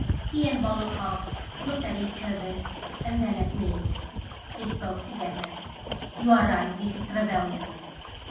He and Volokhoff looked at each other and then at me. They spoke together :" You are right, Mrs. Trevelyan."